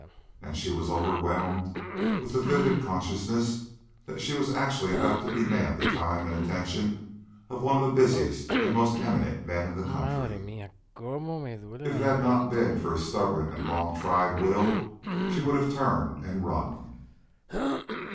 And she was overwhelmed with the vivid consciousness that she was actually about to demand the time and attention of one of the busiest and most eminent men in the country. If it had not been for a stubborn and long tried will, she would have turned and run.